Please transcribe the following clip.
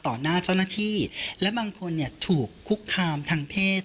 หน้าเจ้าหน้าที่และบางคนเนี่ยถูกคุกคามทางเพศ